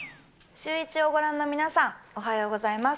シューイチをご覧の皆さん、おはようございます。